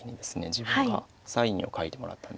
自分がサインを書いてもらったんですよ。